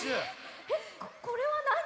えっこれはなに？